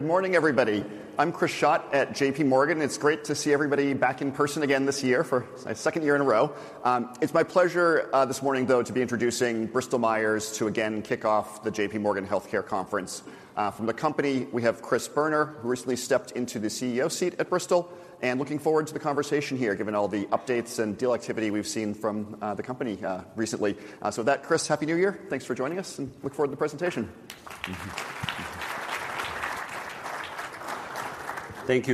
Good morning, everybody. I'm Chris Schott at J.P. Morgan. It's great to see everybody back in person again this year for a second year in a row. It's my pleasure, this morning, though, to be introducing Bristol Myers to again kick off the J.P. Morgan Healthcare Conference. From the company, we have Chris Boerner, who recently stepped into the CEO seat at Bristol, and looking forward to the conversation here, given all the updates and deal activity we've seen from, the company, recently. So with that, Chris, Happy New Year! Thanks for joining us, and look forward to the presentation. Thank you,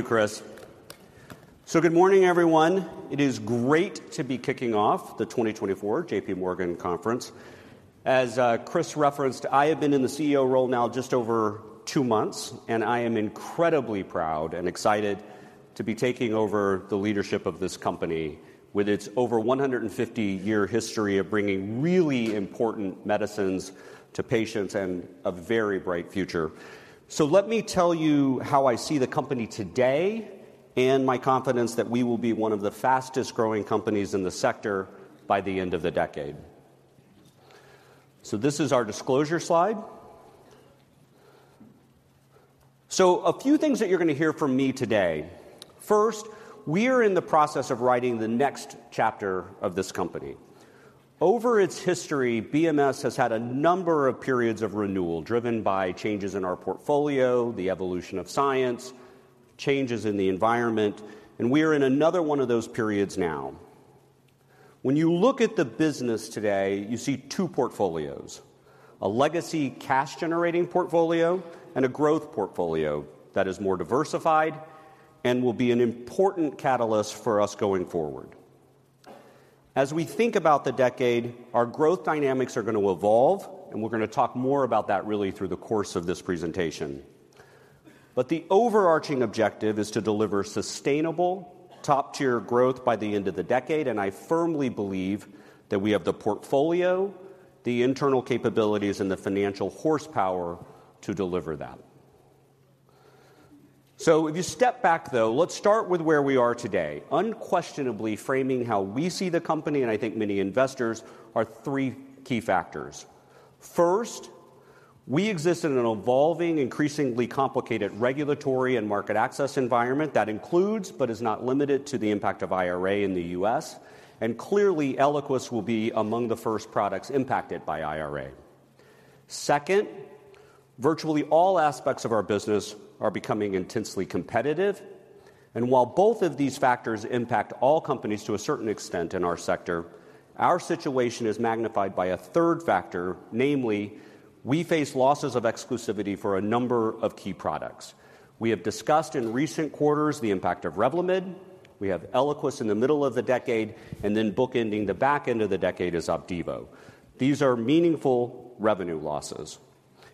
Chris. Good morning, everyone. It is great to be kicking off the 2024 J.P. Morgan Conference. As Chris referenced, I have been in the CEO role now just over two months, and I am incredibly proud and excited to be taking over the leadership of this company, with its over 150-year history of bringing really important medicines to patients and a very bright future. Let me tell you how I see the company today, and my confidence that we will be one of the fastest-growing companies in the sector by the end of the decade. This is our disclosure slide. A few things that you're going to hear from me today. First, we are in the process of writing the next chapter of this company. Over its history, BMS has had a number of periods of renewal, driven by changes in our portfolio, the evolution of science, changes in the environment, and we are in another one of those periods now. When you look at the business today, you see two portfolios: a legacy cash-generating portfolio, and a growth portfolio that is more diversified and will be an important catalyst for us going forward. As we think about the decade, our growth dynamics are going to evolve, and we're going to talk more about that really through the course of this presentation. But the overarching objective is to deliver sustainable, top-tier growth by the end of the decade, and I firmly believe that we have the portfolio, the internal capabilities, and the financial horsepower to deliver that. So if you step back, though, let's start with where we are today. Unquestionably, framing how we see the company, and I think many investors, are three key factors. First, we exist in an evolving, increasingly complicated regulatory and market access environment that includes, but is not limited to, the impact of IRA in the U.S., and clearly, Eliquis will be among the first products impacted by IRA. Second, virtually all aspects of our business are becoming intensely competitive, and while both of these factors impact all companies to a certain extent in our sector, our situation is magnified by a third factor. Namely, we face losses of exclusivity for a number of key products. We have discussed in recent quarters the impact of Revlimid, we have Eliquis in the middle of the decade, and then bookending the back end of the decade is Opdivo. These are meaningful revenue losses,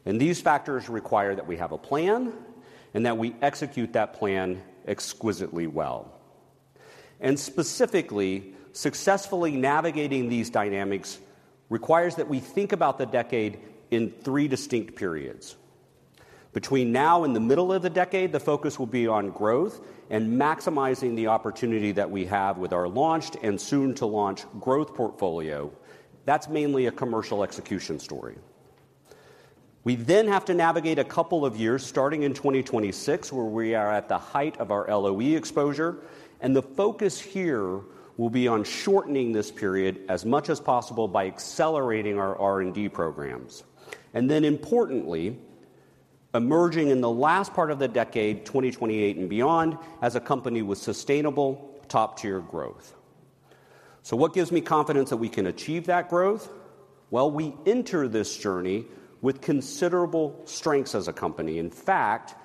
and these factors require that we have a plan and that we execute that plan exquisitely well. Specifically, successfully navigating these dynamics requires that we think about the decade in three distinct periods. Between now and the middle of the decade, the focus will be on growth and maximizing the opportunity that we have with our launched and soon-to-launch growth portfolio. That's mainly a commercial execution story. We then have to navigate a couple of years, starting in 2026, where we are at the height of our LOE exposure, and the focus here will be on shortening this period as much as possible by accelerating our R&D programs, and then importantly, emerging in the last part of the decade, 2028 and beyond, as a company with sustainable top-tier growth. So what gives me confidence that we can achieve that growth? Well, we enter this journey with considerable strengths as a company. In fact,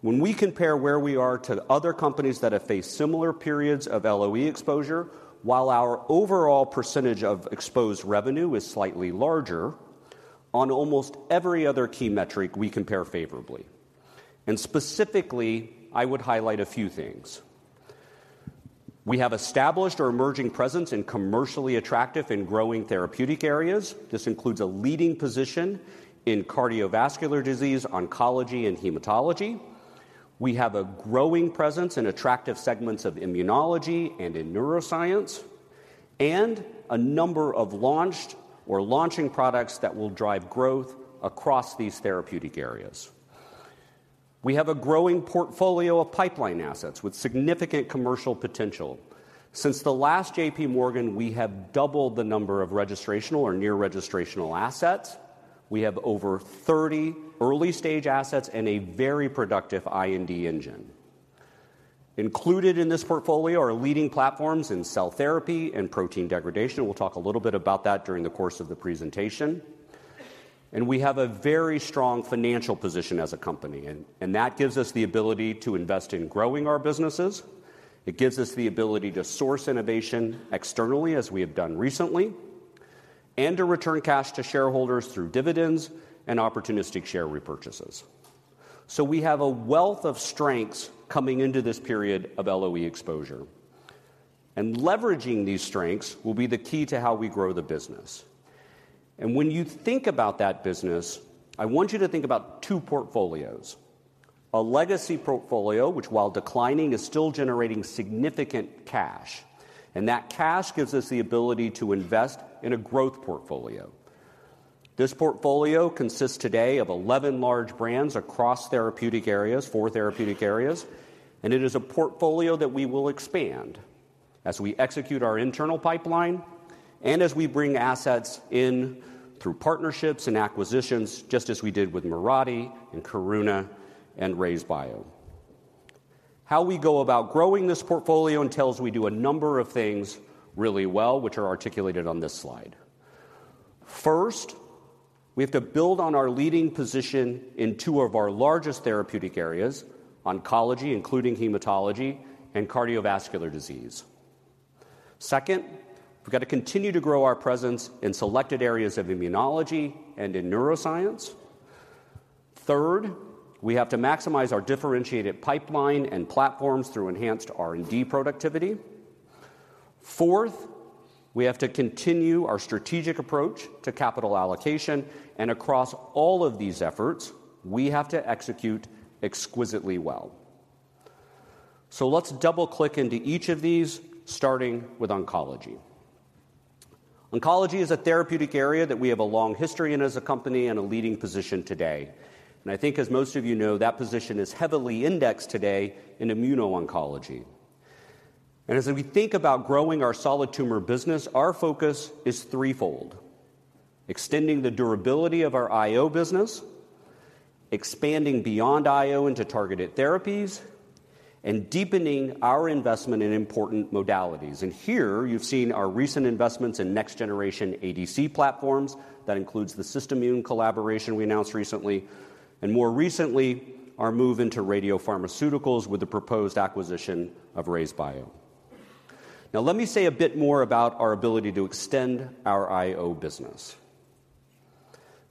when we compare where we are to other companies that have faced similar periods of LOE exposure, while our overall percentage of exposed revenue is slightly larger, on almost every other key metric, we compare favorably. Specifically, I would highlight a few things. We have established or emerging presence in commercially attractive and growing therapeutic areas. This includes a leading position in cardiovascular disease, oncology, and hematology. We have a growing presence in attractive segments of immunology and in neuroscience, and a number of launched or launching products that will drive growth across these therapeutic areas. We have a growing portfolio of pipeline assets with significant commercial potential. Since the last J.P. Morgan, we have doubled the number of registrational or near-registrational assets. We have over 30 early-stage assets and a very productive IND engine. Included in this portfolio are leading platforms in cell therapy and protein degradation. We'll talk a little bit about that during the course of the presentation. We have a very strong financial position as a company, and that gives us the ability to invest in growing our businesses. It gives us the ability to source innovation externally, as we have done recently, and to return cash to shareholders through dividends and opportunistic share repurchases. We have a wealth of strengths coming into this period of LOE exposure, and leveraging these strengths will be the key to how we grow the business. When you think about that business, I want you to think about two portfolios: a legacy portfolio, which, while declining, is still generating significant cash, and that cash gives us the ability to invest in a growth portfolio. This portfolio consists today of 11 large brands across therapeutic areas, four therapeutic areas, and it is a portfolio that we will expand as we execute our internal pipeline and as we bring assets in through partnerships and acquisitions, just as we did with Mirati, and Karuna, and RayzeBio. How we go about growing this portfolio entails we do a number of things really well, which are articulated on this slide. First, we have to build on our leading position in two of our largest therapeutic areas, oncology, including hematology and cardiovascular disease. Second, we've got to continue to grow our presence in selected areas of immunology and in neuroscience. Third, we have to maximize our differentiated pipeline and platforms through enhanced R&D productivity. Fourth, we have to continue our strategic approach to capital allocation, and across all of these efforts, we have to execute exquisitely well. So let's double-click into each of these, starting with oncology. Oncology is a therapeutic area that we have a long history in as a company and a leading position today. And I think as most of you know, that position is heavily indexed today in immuno-oncology. And as we think about growing our solid tumor business, our focus is threefold: extending the durability of our IO business, expanding beyond IO into targeted therapies, and deepening our investment in important modalities. And here you've seen our recent investments in next generation ADC platforms. That includes the SystImmune collaboration we announced recently, and more recently, our move into radiopharmaceuticals with the proposed acquisition of RayzeBio. Now, let me say a bit more about our ability to extend our IO business.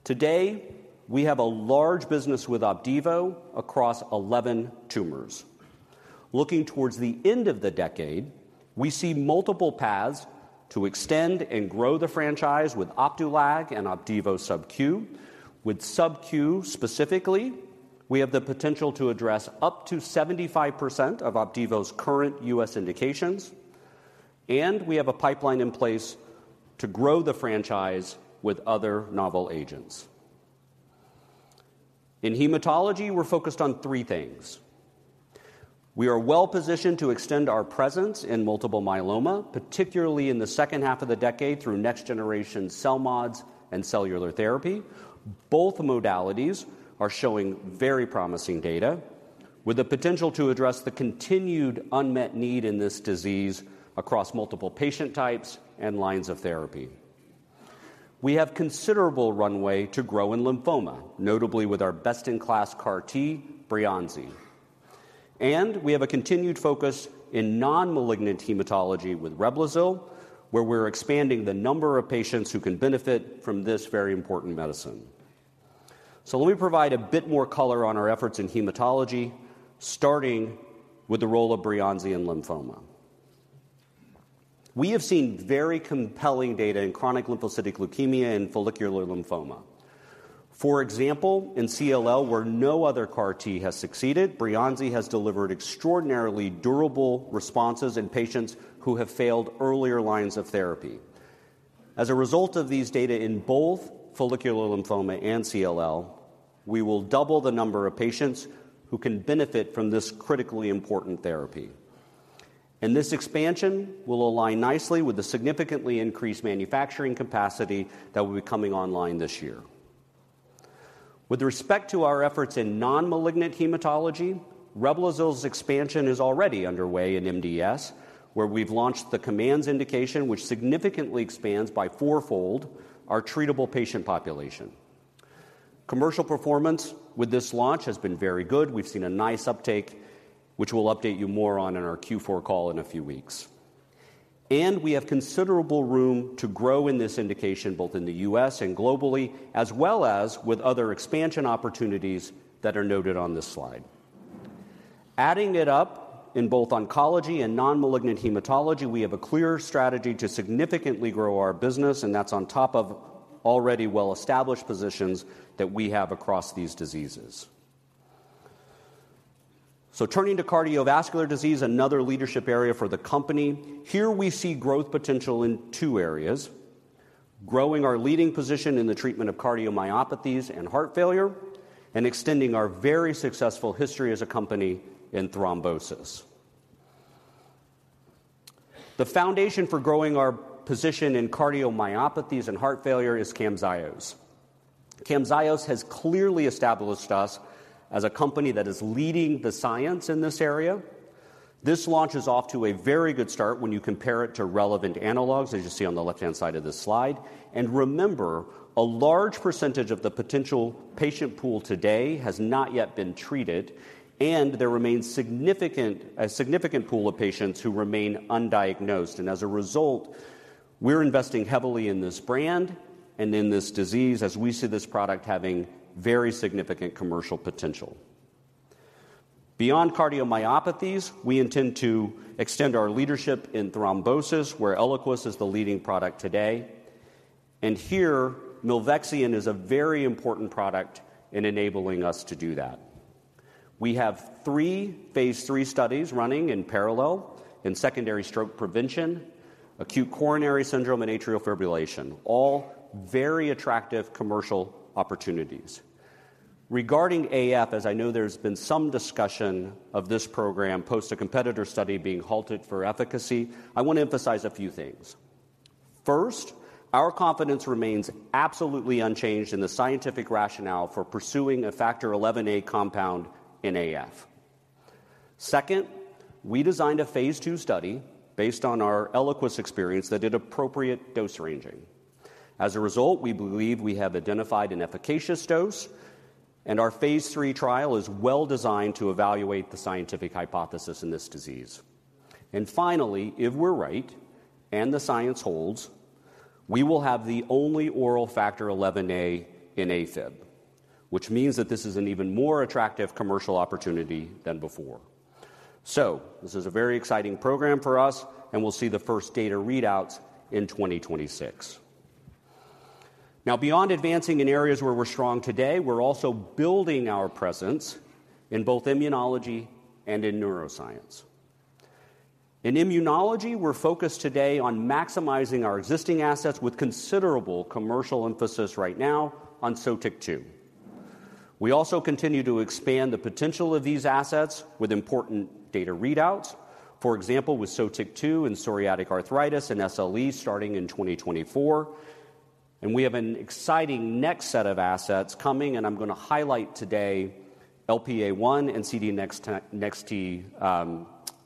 Today, we have a large business with Opdivo across 11 tumors. Looking towards the end of the decade, we see multiple paths to extend and grow the franchise with Opdualag and Opdivo sub-Q. With sub-Q specifically, we have the potential to address up to 75% of Opdivo's current U.S. indications, and we have a pipeline in place to grow the franchise with other novel agents. In hematology, we're focused on three things. We are well-positioned to extend our presence in multiple myeloma, particularly in the second half of the decade, through next-generation CELMoDs and cellular therapy. Both modalities are showing very promising data, with the potential to address the continued unmet need in this disease across multiple patient types and lines of therapy. We have considerable runway to grow in lymphoma, notably with our best-in-class CAR T, Breyanzi. We have a continued focus in non-malignant hematology with Reblozyl, where we're expanding the number of patients who can benefit from this very important medicine. Let me provide a bit more color on our efforts in hematology, starting with the role of Breyanzi in lymphoma. We have seen very compelling data in chronic lymphocytic leukemia and follicular lymphoma. For example, in CLL, where no other CAR T has succeeded, Breyanzi has delivered extraordinarily durable responses in patients who have failed earlier lines of therapy. As a result of these data in both follicular lymphoma and CLL, we will double the number of patients who can benefit from this critically important therapy. This expansion will align nicely with the significantly increased manufacturing capacity that will be coming online this year. With respect to our efforts in non-malignant hematology, Reblozyl's expansion is already underway in MDS, where we've launched the COMMANDS indication, which significantly expands by fourfold our treatable patient population. Commercial performance with this launch has been very good. We've seen a nice uptake, which we'll update you more on in our Q4 call in a few weeks. And we have considerable room to grow in this indication, both in the U.S. and globally, as well as with other expansion opportunities that are noted on this slide. Adding it up in both oncology and non-malignant hematology, we have a clear strategy to significantly grow our business, and that's on top of already well-established positions that we have across these diseases. So turning to cardiovascular disease, another leadership area for the company, here we see growth potential in two areas: growing our leading position in the treatment of cardiomyopathies and heart failure, and extending our very successful history as a company in thrombosis. The foundation for growing our position in cardiomyopathies and heart failure is Camzyos. Camzyos has clearly established us as a company that is leading the science in this area. This launch is off to a very good start when you compare it to relevant analogs, as you see on the left-hand side of this slide. And remember, a large percentage of the potential patient pool today has not yet been treated, and there remains a significant pool of patients who remain undiagnosed. And as a result, we're investing heavily in this brand and in this disease as we see this product having very significant commercial potential. Beyond cardiomyopathies, we intend to extend our leadership in thrombosis, where Eliquis is the leading product today, and here Milvexian is a very important product in enabling us to do that.... We have three phase III studies running in parallel in secondary stroke prevention, acute coronary syndrome, and atrial fibrillation, all very attractive commercial opportunities. Regarding AF, as I know there's been some discussion of this program post a competitor study being halted for efficacy, I want to emphasize a few things. First, our confidence remains absolutely unchanged in the scientific rationale for pursuing a Factor XIa compound in AF. Second, we designed a phase II study based on our Eliquis experience that did appropriate dose ranging. As a result, we believe we have identified an efficacious dose, and our phase III trial is well-designed to evaluate the scientific hypothesis in this disease. And finally, if we're right and the science holds, we will have the only oral Factor XIa in AFib, which means that this is an even more attractive commercial opportunity than before. So this is a very exciting program for us, and we'll see the first data readouts in 2026. Now, beyond advancing in areas where we're strong today, we're also building our presence in both immunology and in neuroscience. In immunology, we're focused today on maximizing our existing assets with considerable commercial emphasis right now on Sotyktu. We also continue to expand the potential of these assets with important data readouts. For example, with Sotyktu in psoriatic arthritis and SLE starting in 2024, and we have an exciting next set of assets coming, and I'm gonna highlight today LPA1 and CD19 NEX-T,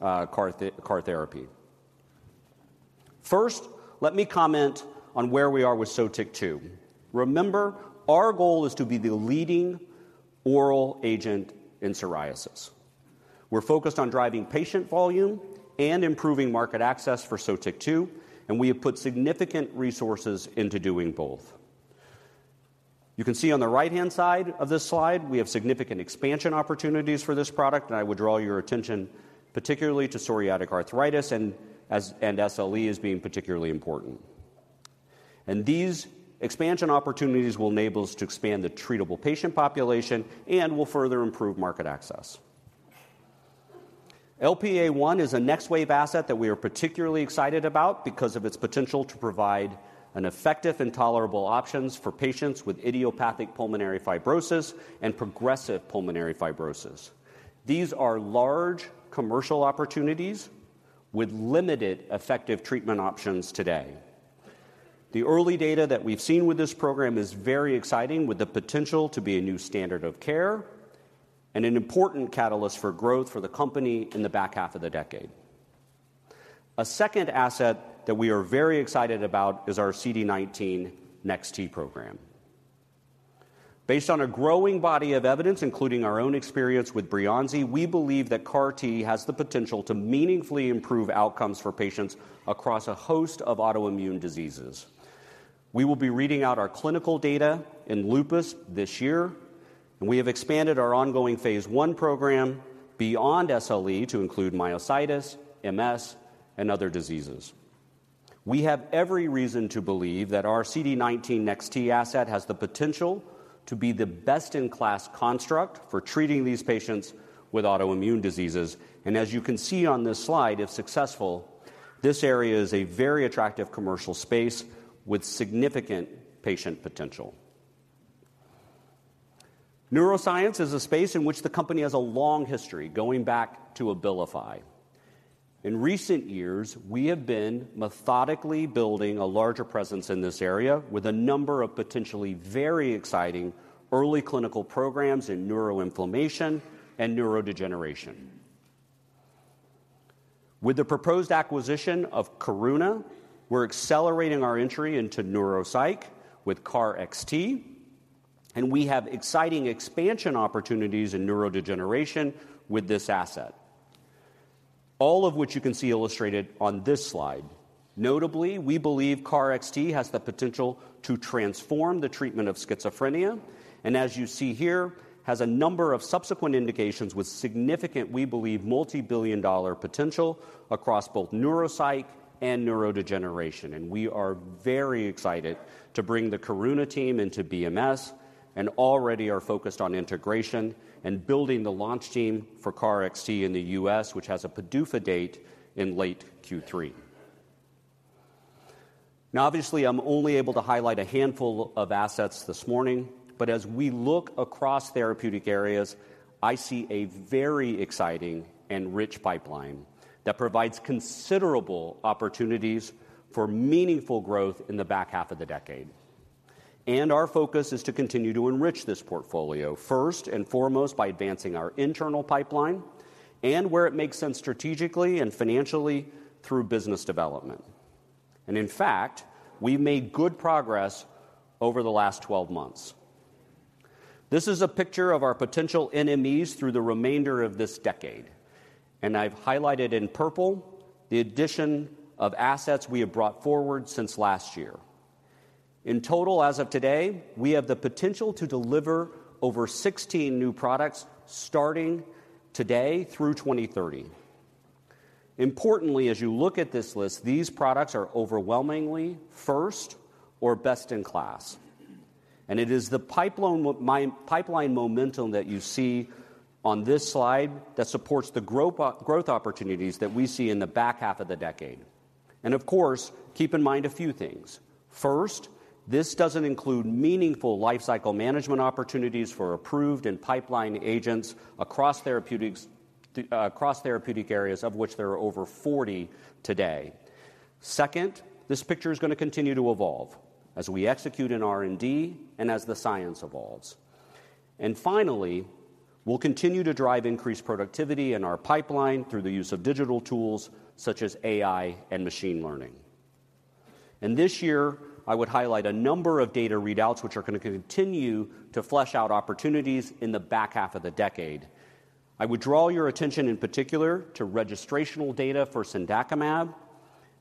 CAR T therapy. First, let me comment on where we are with Sotyku. Remember, our goal is to be the leading oral agent in psoriasis. We're focused on driving patient volume and improving market access for Sotyku, and we have put significant resources into doing both. You can see on the right-hand side of this slide, we have significant expansion opportunities for this product, and I would draw your attention particularly to psoriatic arthritis, AS, and SLE as being particularly important. These expansion opportunities will enable us to expand the treatable patient population and will further improve market access. LPA1 is a next-wave asset that we are particularly excited about because of its potential to provide an effective and tolerable options for patients with idiopathic pulmonary fibrosis and progressive pulmonary fibrosis. These are large commercial opportunities with limited effective treatment options today. The early data that we've seen with this program is very exciting, with the potential to be a new standard of care and an important catalyst for growth for the company in the back half of the decade. A second asset that we are very excited about is our CD19 NEX-T program. Based on a growing body of evidence, including our own experience with Breyanzi, we believe that CAR T has the potential to meaningfully improve outcomes for patients across a host of autoimmune diseases. We will be reading out our clinical data in lupus this year, and we have expanded our ongoing phase I program beyond SLE to include myositis, MS, and other diseases. We have every reason to believe that our CD19 NEX-T asset has the potential to be the best-in-class construct for treating these patients with autoimmune diseases. As you can see on this slide, if successful, this area is a very attractive commercial space with significant patient potential. Neuroscience is a space in which the company has a long history, going back to Abilify. In recent years, we have been methodically building a larger presence in this area, with a number of potentially very exciting early clinical programs in neuroinflammation and neurodegeneration. With the proposed acquisition of Karuna, we're accelerating our entry into neuropsych with KarXT, and we have exciting expansion opportunities in neurodegeneration with this asset, all of which you can see illustrated on this slide. Notably, we believe KarXT has the potential to transform the treatment of schizophrenia, and as you see here, has a number of subsequent indications with significant, we believe, multibillion-dollar potential across both neuropsych and neurodegeneration. We are very excited to bring the Karuna team into BMS and already are focused on integration and building the launch team for KarXT in the U.S., which has a PDUFA date in late Q3. Now, obviously, I'm only able to highlight a handful of assets this morning, but as we look across therapeutic areas, I see a very exciting and rich pipeline that provides considerable opportunities for meaningful growth in the back half of the decade. Our focus is to continue to enrich this portfolio, first and foremost, by advancing our internal pipeline and where it makes sense strategically and financially through business development. In fact, we made good progress over the last 12 months. This is a picture of our potential NMEs through the remainder of this decade, and I've highlighted in purple the addition of assets we have brought forward since last year. In total, as of today, we have the potential to deliver over 16 new products starting today through 2030. Importantly, as you look at this list, these products are overwhelmingly first or best in class. It is my pipeline momentum that you see on this slide that supports the growth opportunities that we see in the back half of the decade. Of course, keep in mind a few things. First, this doesn't include meaningful lifecycle management opportunities for approved and pipeline agents across therapeutics, across therapeutic areas, of which there are over 40 today. Second, this picture is going to continue to evolve as we execute in R&D and as the science evolves. Finally, we'll continue to drive increased productivity in our pipeline through the use of digital tools such as AI and machine learning. And this year, I would highlight a number of data readouts, which are going to continue to flesh out opportunities in the back half of the decade. I would draw your attention in particular to registrational data for Cendakimab,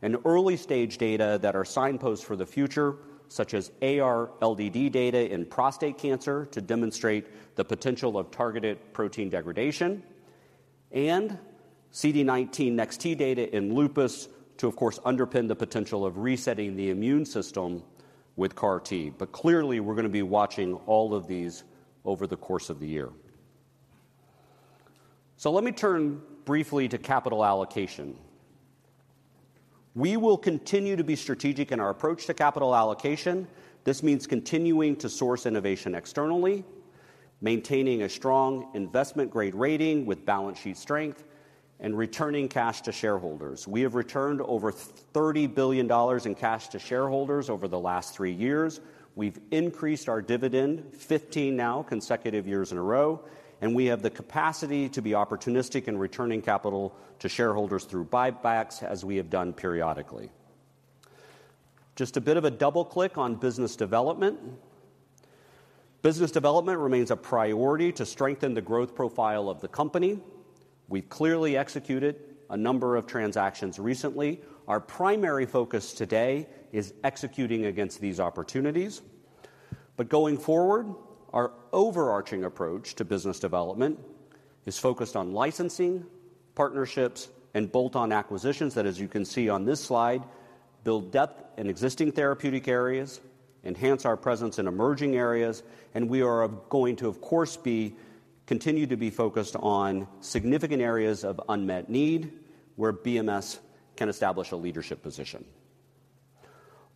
and early-stage data that are signposts for the future, such as AR-LDD data in prostate cancer to demonstrate the potential of targeted protein degradation, and CD19 NEX-T data in lupus to, of course, underpin the potential of resetting the immune system with CAR T. But clearly, we're going to be watching all of these over the course of the year. So let me turn briefly to capital allocation. We will continue to be strategic in our approach to capital allocation. This means continuing to source innovation externally, maintaining a strong investment-grade rating with balance sheet strength, and returning cash to shareholders. We have returned over $30 billion in cash to shareholders over the last three years. We've increased our dividend 15 consecutive years now in a row, and we have the capacity to be opportunistic in returning capital to shareholders through buybacks, as we have done periodically. Just a bit of a double click on business development. Business development remains a priority to strengthen the growth profile of the company. We've clearly executed a number of transactions recently. Our primary focus today is executing against these opportunities. But going forward, our overarching approach to business development is focused on licensing, partnerships, and bolt-on acquisitions that, as you can see on this slide, build depth in existing therapeutic areas, enhance our presence in emerging areas, and we are going to, of course, be. Continue to be focused on significant areas of unmet need where BMS can establish a leadership position,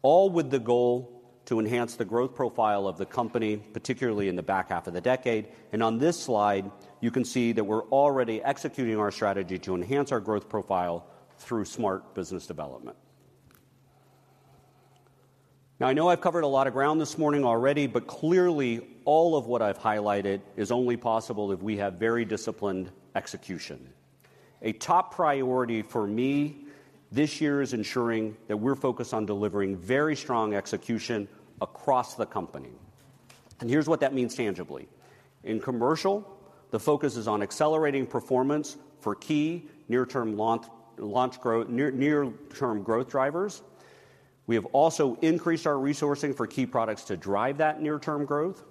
all with the goal to enhance the growth profile of the company, particularly in the back half of the decade. On this slide, you can see that we're already executing our strategy to enhance our growth profile through smart business development. Now, I know I've covered a lot of ground this morning already, but clearly, all of what I've highlighted is only possible if we have very disciplined execution. A top priority for me this year is ensuring that we're focused on delivering very strong execution across the company. Here's what that means tangibly. In commercial, the focus is on accelerating performance for key near-term launches, near-term growth drivers. We have also increased our resourcing for key products to drive that near-term growth.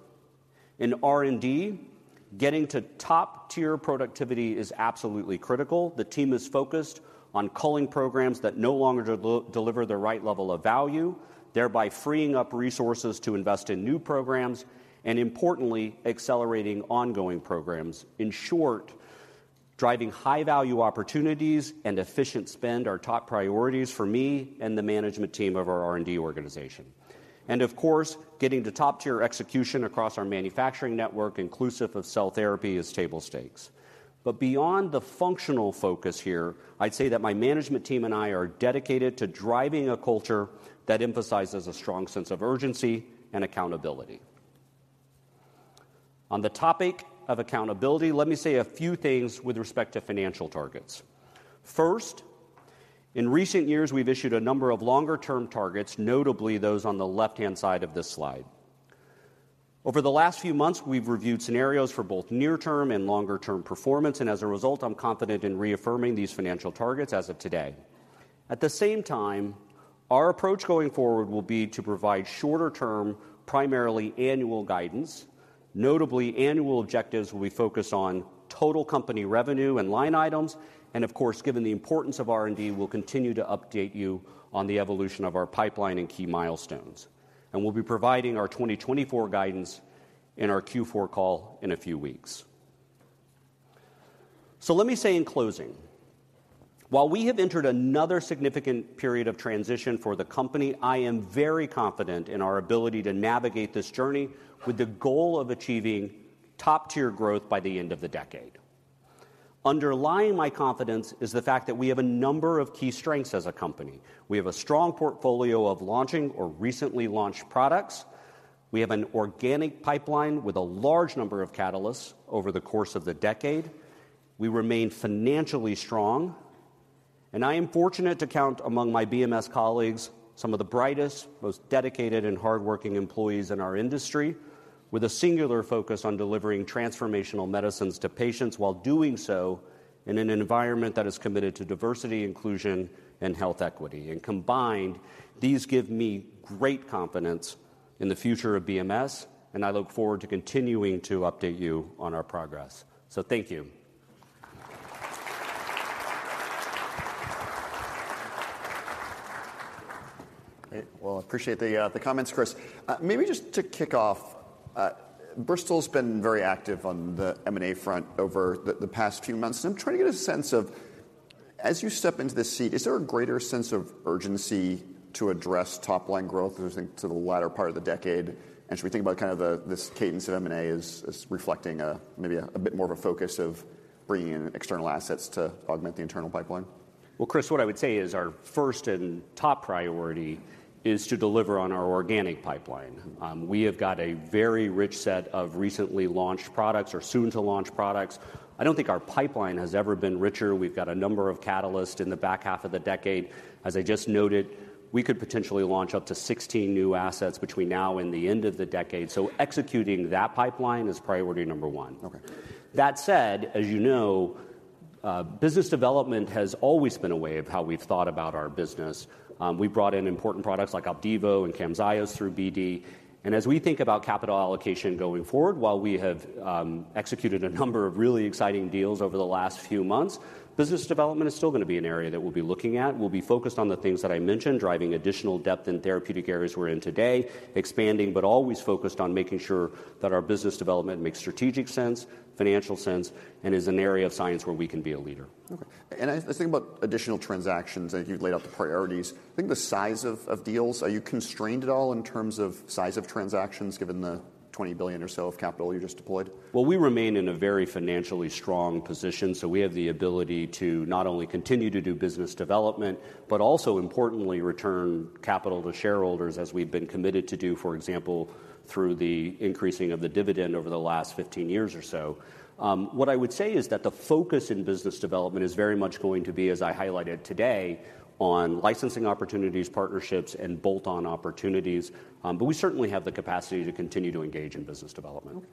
In R&D, getting to top-tier productivity is absolutely critical. The team is focused on culling programs that no longer deliver the right level of value, thereby freeing up resources to invest in new programs, and importantly, accelerating ongoing programs. In short, driving high-value opportunities and efficient spend are top priorities for me and the management team of our R&D organization. And of course, getting to top-tier execution across our manufacturing network, inclusive of cell therapy, is table stakes. But beyond the functional focus here, I'd say that my management team and I are dedicated to driving a culture that emphasizes a strong sense of urgency and accountability. On the topic of accountability, let me say a few things with respect to financial targets. First, in recent years, we've issued a number of longer-term targets, notably those on the left-hand side of this slide. Over the last few months, we've reviewed scenarios for both near-term and longer-term performance, and as a result, I'm confident in reaffirming these financial targets as of today. At the same time, our approach going forward will be to provide shorter term, primarily annual guidance. Notably, annual objectives will be focused on total company revenue and line items, and of course, given the importance of R&D, we'll continue to update you on the evolution of our pipeline and key milestones. We'll be providing our 2024 guidance in our Q4 call in a few weeks. Let me say in closing, while we have entered another significant period of transition for the company, I am very confident in our ability to navigate this journey with the goal of achieving top-tier growth by the end of the decade. Underlying my confidence is the fact that we have a number of key strengths as a company. We have a strong portfolio of launching or recently launched products. We have an organic pipeline with a large number of catalysts over the course of the decade. We remain financially strong, and I am fortunate to count among my BMS colleagues, some of the brightest, most dedicated, and hardworking employees in our industry, with a singular focus on delivering transformational medicines to patients while doing so in an environment that is committed to diversity, inclusion, and health equity. And combined, these give me great confidence in the future of BMS, and I look forward to continuing to update you on our progress. So thank you. Hey, well, appreciate the comments, Chris. Maybe just to kick off, Bristol's been very active on the M&A front over the past few months, and I'm trying to get a sense of, as you step into this seat, is there a greater sense of urgency to address top-line growth, as I think, to the latter part of the decade? And should we think about kind of this cadence of M&A as reflecting a bit more of a focus of bringing in external assets to augment the internal pipeline? Well, Chris, what I would say is our first and top priority is to deliver on our organic pipeline. We have got a very rich set of recently launched products or soon-to-launch products. I don't think our pipeline has ever been richer. We've got a number of catalysts in the back half of the decade. As I just noted, we could potentially launch up to 16 new assets between now and the end of the decade. So executing that pipeline is priority number one. Okay. That said, as you know, business development has always been a way of how we've thought about our business. We brought in important products like Opdivo and Camzyos through BD. And as we think about capital allocation going forward, while we have executed a number of really exciting deals over the last few months, business development is still gonna be an area that we'll be looking at. We'll be focused on the things that I mentioned, driving additional depth in therapeutic areas we're in today, expanding, but always focused on making sure that our business development makes strategic sense, financial sense, and is an area of science where we can be a leader. Okay. And let's think about additional transactions, and you've laid out the priorities. I think the size of, of deals, are you constrained at all in terms of size of transactions, given the $20 billion or so of capital you just deployed? Well, we remain in a very financially strong position, so we have the ability to not only continue to do business development, but also importantly, return capital to shareholders as we've been committed to do, for example, through the increasing of the dividend over the last 15 years or so. What I would say is that the focus in business development is very much going to be, as I highlighted today, on licensing opportunities, partnerships, and bolt-on opportunities. But we certainly have the capacity to continue to engage in business development. Okay.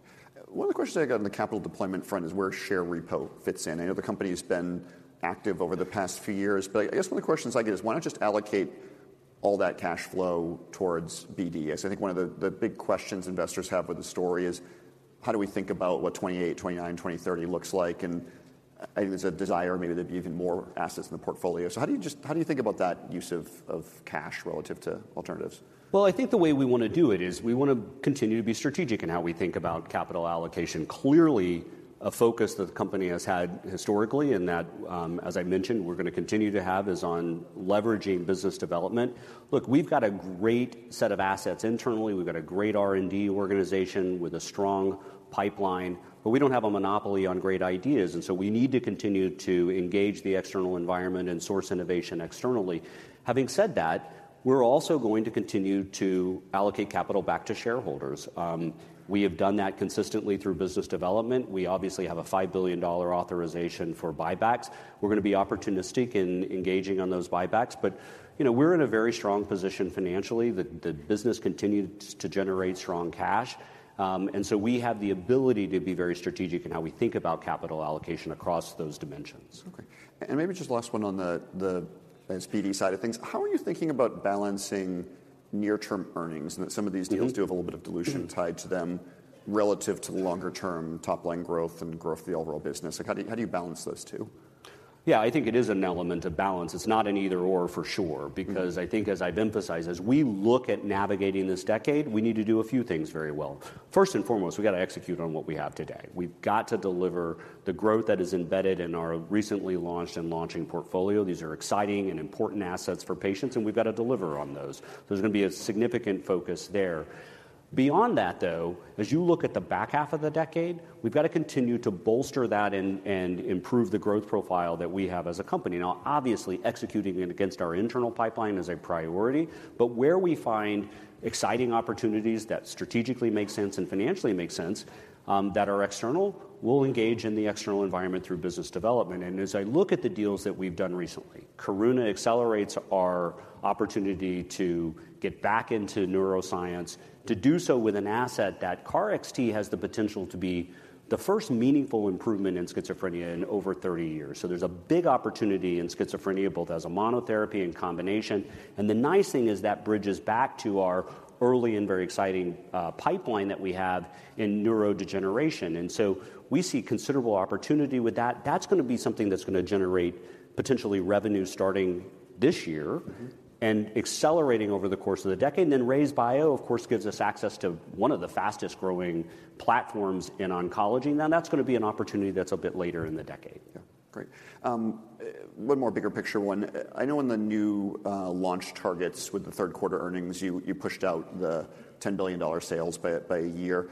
One of the questions I got on the capital deployment front is where share repo fits in. I know the company has been active over the past few years, but I guess one of the questions I get is, why not just allocate all that cash flow towards BMS? I think one of the big questions investors have with the story is, how do we think about what 2028, 2029, 2030 looks like? And I think there's a desire maybe there'd be even more assets in the portfolio. So how do you just, how do you think about that use of cash relative to alternatives? Well, I think the way we wanna do it is we wanna continue to be strategic in how we think about capital allocation. Clearly, a focus that the company has had historically, and that, as I mentioned, we're gonna continue to have, is on leveraging business development. Look, we've got a great set of assets internally. We've got a great R&D organization with a strong pipeline, but we don't have a monopoly on great ideas, and so we need to continue to engage the external environment and source innovation externally. Having said that, we're also going to continue to allocate capital back to shareholders. We have done that consistently through business development. We obviously have a $5 billion authorization for buybacks. We're gonna be opportunistic in engaging on those buybacks, but, you know, we're in a very strong position financially. The business continues to generate strong cash, and so we have the ability to be very strategic in how we think about capital allocation across those dimensions. Okay. Maybe just last one on the BD side of things. How are you thinking about balancing near-term earnings? And some of these deals. Mm-hmm Do have a little bit of dilution tied to them relative to the longer-term top-line growth and growth of the overall business. Like, how do you, how do you balance those two? Yeah, I think it is an element of balance. It's not an either/or for sure. Mm-hmm Because I think, as I've emphasized, as we look at navigating this decade, we need to do a few things very well. First and foremost, we've got execute on what we have today. We've got to deliver the growth that is embedded in our recently launched and launching portfolio. These are exciting and important assets for patients, and we've got deliver on those. There's gonna be a significant focus there. Beyond that, though, as you look at the back half of the decade, we've got continue to bolster that and improve the growth profile that we have as a company. Now, obviously, executing it against our internal pipeline is a priority, but where we find exciting opportunities that strategically make sense and financially make sense, that are external, we'll engage in the external environment through business development. And as I look at the deals that we've done recently, Karuna accelerates our opportunity to get back into neuroscience, to do so with an asset that KarXT has the potential to be the first meaningful improvement in schizophrenia in over 30 years. So there's a big opportunity in schizophrenia, both as a monotherapy and combination. And the nice thing is that bridges back to our early and very exciting pipeline that we have in neurodegeneration, and so we see considerable opportunity with that. That's gonna be something that's gonna generate potentially revenue starting this year. Mm-hmm And accelerating over the course of the decade. Then RayzeBio, of course, gives us access to one of the fastest-growing platforms in oncology. Now, that's gonna be an opportunity that's a bit later in the decade. Yeah. Great. One more bigger picture one. I know in the new launch targets with the third quarter earnings, you, you pushed out the $10 billion sales by, by a year.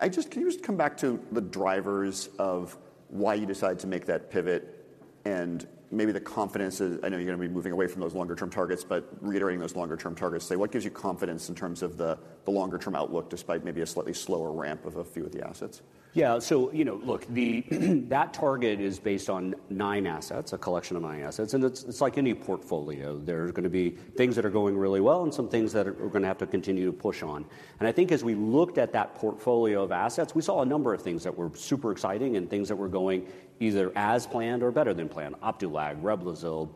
I just... Can you just come back to the drivers of why you decided to make that pivot and maybe the confidence is... I know you're gonna be moving away from those longer-term targets, but reiterating those longer-term targets, say, what gives you confidence in terms of the, the longer-term outlook, despite maybe a slightly slower ramp of a few of the assets? Yeah. So, you know, look, that target is based on nine assets, a collection of nine assets, and it's like any portfolio. There are gonna be things that are going really well and some things that are, we're gonna have to continue to push on. And I think as we looked at that portfolio of assets, we saw a number of things that were super exciting and things that were going either as planned or better than planned. Opdualag, Reblozyl,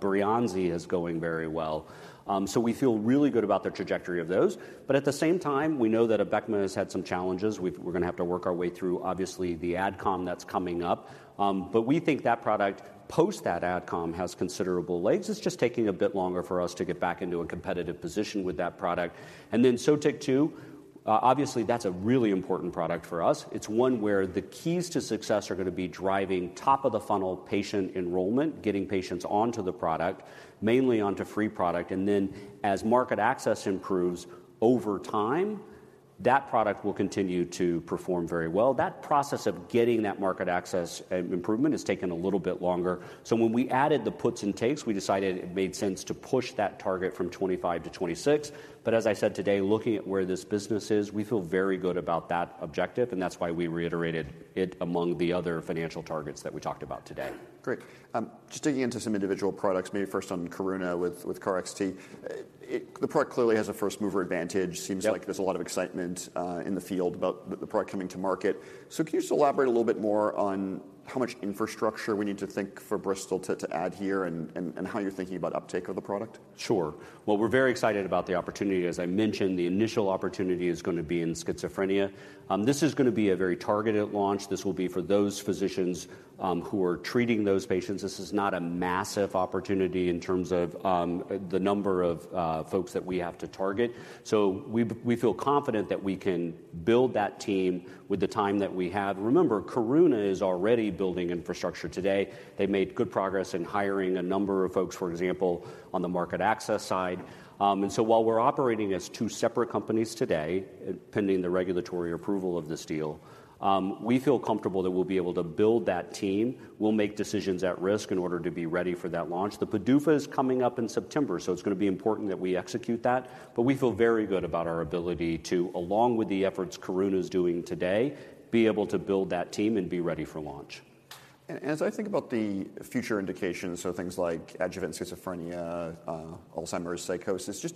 Breyanzi is going very well. So we feel really good about the trajectory of those, but at the same time, we know that Abecma has had some challenges. We're gonna have to work our way through, obviously, the AdCom that's coming up. But we think that product, post that AdCom, has considerable legs. It's just taking a bit longer for us to get back into a competitive position with that product. And then Sotyktu, obviously, that's a really important product for us. It's one where the keys to success are gonna be driving top of the funnel patient enrollment, getting patients onto the product, mainly onto free product, and then as market access improves over time, that product will continue to perform very well. That process of getting that market access and improvement has taken a little bit longer. So when we added the puts and takes, we decided it made sense to push that target from 2025 to 2026. But as I said today, looking at where this business is, we feel very good about that objective, and that's why we reiterated it among the other financial targets that we talked about today. Great. Just digging into some individual products, maybe first on Karuna with KarXT. It, the product clearly has a first mover advantage. Yep. Seems like there's a lot of excitement in the field about the product coming to market. So can you just elaborate a little bit more on how much infrastructure we need to think for Bristol to add here, and how you're thinking about uptake of the product? Sure. Well, we're very excited about the opportunity. As I mentioned, the initial opportunity is gonna be in schizophrenia. This is gonna be a very targeted launch. This will be for those physicians who are treating those patients. This is not a massive opportunity in terms of the number of folks that we have to target. So we feel confident that we can build that team with the time that we have. Remember, Karuna is already building infrastructure today. They've made good progress in hiring a number of folks, for example, on the market access side. And so while we're operating as two separate companies today, pending the regulatory approval of this deal, we feel comfortable that we'll be able to build that team. We'll make decisions at risk in order to be ready for that launch. The PDUFA is coming up in September, so it's gonna be important that we execute that. But we feel very good about our ability to, along with the efforts Karuna is doing today, be able to build that team and be ready for launch. As I think about the future indications, so things like adjuvant schizophrenia, Alzheimer's, psychosis, just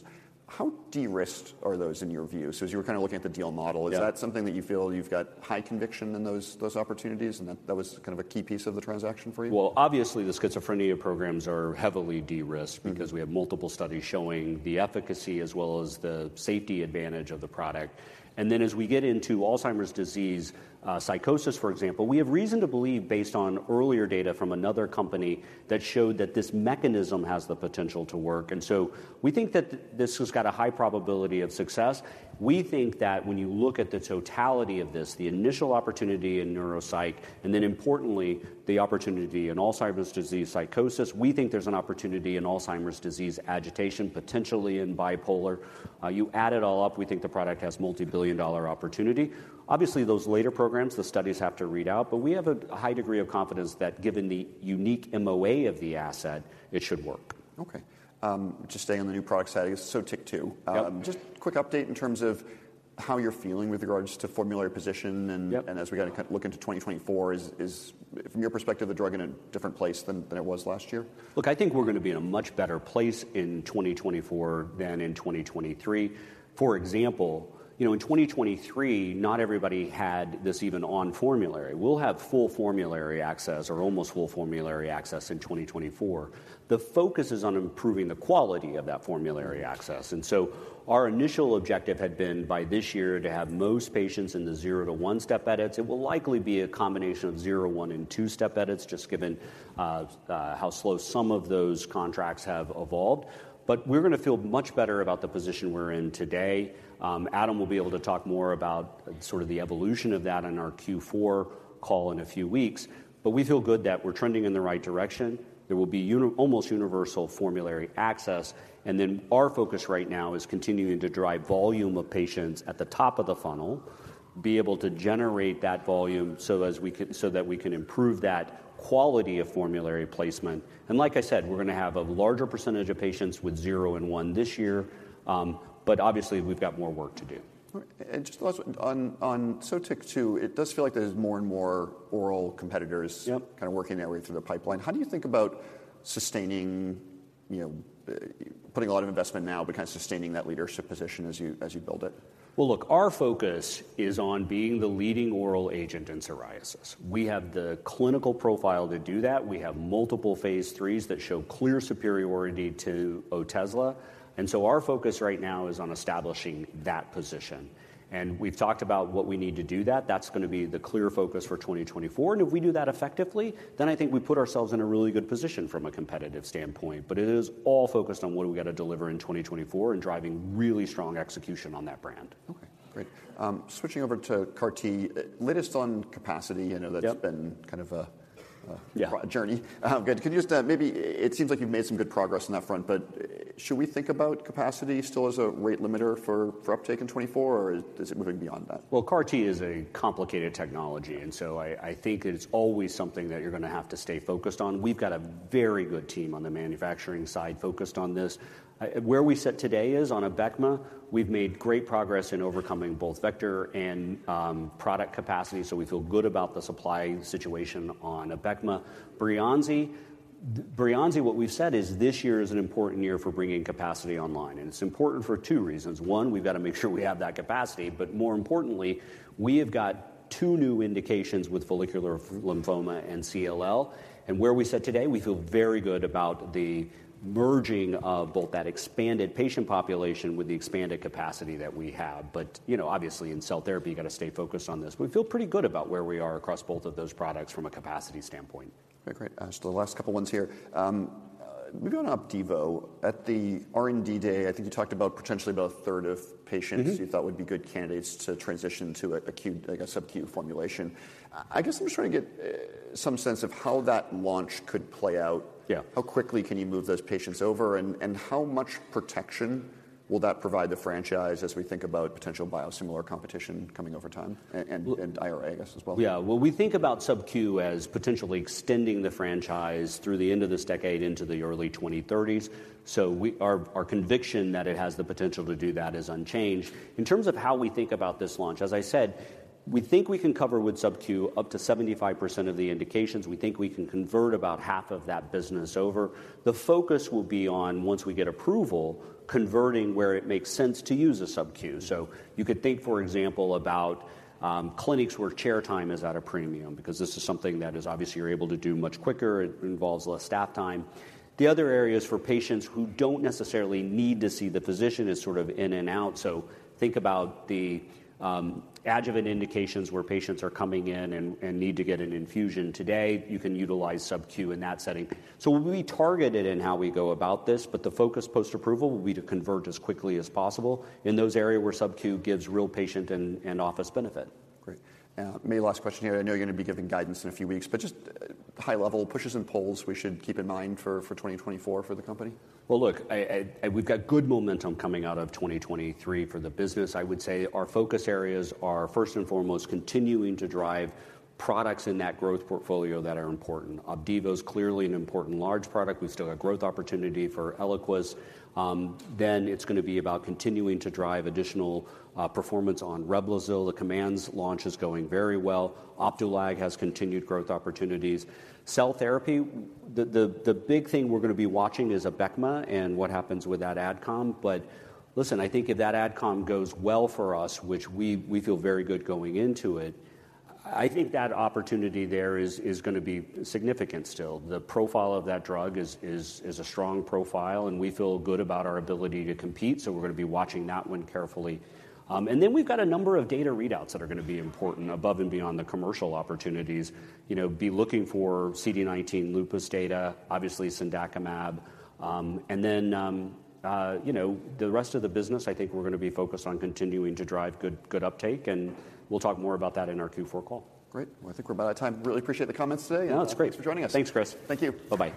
how de-risked are those in your view? So as you were kind of looking at the deal model- Yeah. Is that something that you feel you've got high conviction in those, those opportunities, and that, that was kind of a key piece of the transaction for you? Well, obviously, the schizophrenia programs are heavily de-risked. Mm-hmm. Because we have multiple studies showing the efficacy as well as the safety advantage of the product. And then, as we get into Alzheimer's disease, psychosis, for example, we have reason to believe, based on earlier data from another company, that showed that this mechanism has the potential to work. And so we think that this has got a high probability of success. We think that when you look at the totality of this, the initial opportunity in neuropsych, and then importantly, the opportunity in Alzheimer's disease psychosis, we think there's an opportunity in Alzheimer's disease agitation, potentially in bipolar. You add it all up, we think the product has multi-billion dollar opportunity. Obviously, those later programs, the studies have to read out, but we have a high degree of confidence that given the unique MOA of the asset, it should work. Okay. Just staying on the new product side, Sotyku. Yep. Just quick update in terms of how you're feeling with regards to formulary position, and. Yep And as we got look into 2024, is from your perspective, the drug in a different place than it was last year? Look, I think we're gonna be in a much better place in 2024 than in 2023. For example, you know, in 2023, not everybody had this even on formulary. We'll have full formulary access or almost full formulary access in 2024. The focus is on improving the quality of that formulary access, and so our initial objective had been, by this year, to have most patients in the zero-one step edits. It will likely be a combination of zero, one, and two-step edits, just given how slow some of those contracts have evolved. But we're gonna feel much better about the position we're in today. Adam will be able to talk more about sort of the evolution of that in our Q4 call in a few weeks, but we feel good that we're trending in the right direction. There will be almost universal formulary access, and then our focus right now is continuing to drive volume of patients at the top of the funnel, be able to generate that volume, so that we can improve that quality of formulary placement. Like I said, we're gonna have a larger percentage of patients with zero and one this year, but obviously, we've got more work to do. All right. And just last one, on Sotyktu, it does feel like there's more and more oral competitors- Yep... kind of working their way through the pipeline. How do you think about sustaining, you know, putting a lot of investment now, but kind of sustaining that leadership position as you, as you build it? Well, look, our focus is on being the leading oral agent in psoriasis. We have the clinical profile to do that. We have multiple phase threes that show clear superiority to Otezla, and so our focus right now is on establishing that position. And we've talked about what we need to do that. That's gonna be the clear focus for 2024, and if we do that effectively, then I think we put ourselves in a really good position from a competitive standpoint. But it is all focused on what we gotta deliver in 2024 and driving really strong execution on that brand. Okay, great. Switching over to CAR T, latest on capacity. Yep. You know, that's been kind of a Yeah A journey. Good. Can you just, maybe... It seems like you've made some good progress on that front, but should we think about capacity still as a rate limiter for uptake in 2024, or is it moving beyond that? Well, CAR T is a complicated technology, and so I think it's always something that you're gonna have to stay focused on. We've got a very good team on the manufacturing side, focused on this. Where we sit today is, on Abecma, we've made great progress in overcoming both vector and product capacity, so we feel good about the supply situation on Abecma. Breyanzi, what we've said is this year is an important year for bringing capacity online, and it's important for two reasons. One, we've got to make sure we have that capacity, but more importantly, we have got two new indications with follicular lymphoma and CLL. And where we sit today, we feel very good about the merging of both that expanded patient population with the expanded capacity that we have. But, you know, obviously, in cell therapy, you've got to stay focused on this. We feel pretty good about where we are across both of those products from a capacity standpoint. Okay, great. Just the last couple ones here. Maybe on Opdivo. At the R&D day, I think you talked about potentially about a third of patients- Mm-hmm. You thought would be good candidates to transition to an acute, like a subQ formulation. I guess I'm just trying to get some sense of how that launch could play out. Yeah. How quickly can you move those patients over? And how much protection will that provide the franchise as we think about potential biosimilar competition coming over time, and IRA, I guess, as well? Yeah. Well, we think about Sub-Q as potentially extending the franchise through the end of this decade into the early 2030s. So our conviction that it has the potential to do that is unchanged. In terms of how we think about this launch, as I said, we think we can cover with Sub-Q up to 75% of the indications. We think we can convert about half of that business over. The focus will be on, once we get approval, converting where it makes sense to use a Sub-Q. So you could think, for example, about clinics where chair time is at a premium, because this is something that is obviously you're able to do much quicker. It involves less staff time. The other area is for patients who don't necessarily need to see the physician, sort of in and out. So think about the adjuvant indications where patients are coming in and need to get an infusion today. You can utilize Sub-Q in that setting. So we'll be targeted in how we go about this, but the focus post-approval will be to convert as quickly as possible in those area where Sub-Q gives real patient and office benefit. Great. Maybe last question here. I know you're gonna be giving guidance in a few weeks, but just high level pushes and pulls we should keep in mind for 2024 for the company? Well, look, we've got good momentum coming out of 2023 for the business. I would say our focus areas are, first and foremost, continuing to drive products in that growth portfolio that are important. Opdivo is clearly an important large product. We've still got growth opportunity for Eliquis. Then it's gonna be about continuing to drive additional performance on Reblozyl. The COMMANDS launch is going very well. Opdualag has continued growth opportunities. Cell therapy, the big thing we're gonna be watching is Abecma and what happens with that AdCom. But listen, I think if that AdCom goes well for us, which we feel very good going into it, I think that opportunity there is gonna be significant still. The profile of that drug is a strong profile, and we feel good about our ability to compete, so we're gonna be watching that one carefully. And then we've got a number of data readouts that are gonna be important above and beyond the commercial opportunities. You know, be looking for CD19 lupus data, obviously Cendakimab, and then, you know, the rest of the business, I think we're gonna be focused on continuing to drive good, good uptake, and we'll talk more about that in our Q4 call. Great. Well, I think we're about out of time. Really appreciate the comments today. No, it's great. Thanks for joining us. Thanks, Chris. Thank you. Bye-bye.